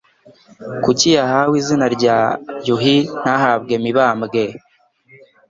kuki yahawe izina rya Yuhi, ntahabwe Mibambwe